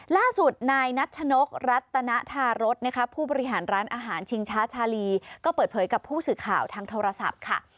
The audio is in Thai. ล่าสุดนายนัชนกรัตนธารสนะคะผู้บริหารร้านอาหารชิงช้าชาลีก็เปิดเผยกับผู้สื่อข่าวทางโทรศัพท์ค่ะ